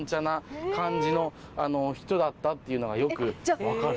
だったっていうのがよく分かる。